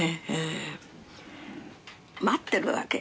待ってるわけ。